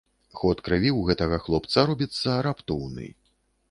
Ход крыві ў гэтага хлопца робіцца раптоўны.